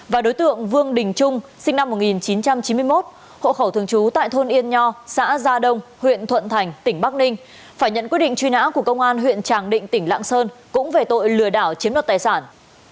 và đối tượng vương đình trung sinh năm một nghìn chín trăm chín mươi một hộ khẩu thường trú tại thôn yên nho xã gia đông huyện thuận thành tỉnh bắc ninh phải nhận quyết định truy nã của công an huyện tràng định tỉnh lạng sơn cũng về tội lừa đảo chiếm đoạt tài sản